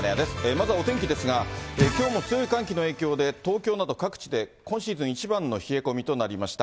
まずはお天気ですが、きょうも強い寒気の影響で、東京など各地で今シーズン一番の冷え込みとなりました。